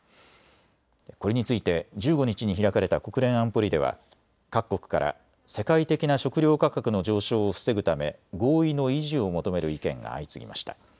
これについて１５日に開かれた国連安保理では各国から世界的な食料価格の上昇を防ぐため合意の維持を求める意見が相次ぎました。